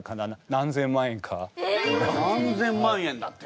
何千万円だって！